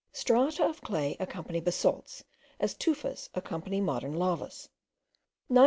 Strata of clay accompany basalts, as tufas accompany modern lavas. Neither M.